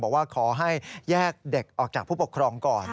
บอกว่าขอให้แยกเด็กออกจากผู้ปกครองก่อน